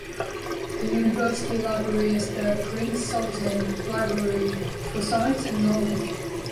The university library is the Prince Sultan Library For Science and Knowledge.